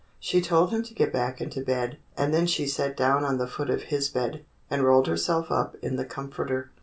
She told him to get back into bed, and then she sat down on the foot of his bed, and rolled herself up in the comforter.